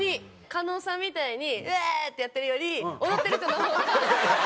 狩野さんみたいに「ウエーイ！」ってやってるより踊ってる人の方が。